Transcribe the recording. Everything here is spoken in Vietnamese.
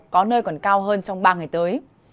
có nơi còn cao hơn trong ba ngày tới